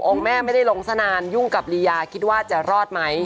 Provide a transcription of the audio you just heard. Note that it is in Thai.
แม่ไม่ได้ลงสนานยุ่งกับลียาคิดว่าจะรอดไหม